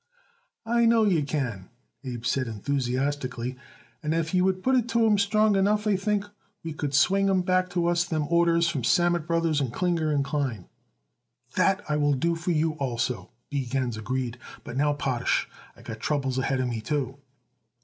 "I know you can," Abe said enthusiastically, "and if you would put it to 'em strong enough I think we could swing back to us them orders from Sammet Brothers and Klinger & Klein." "That I will do for you, also," B. Gans agreed. "But now, Potash, I got troubles ahead of me, too."